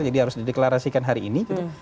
jadi harus dideklarasikan hari ini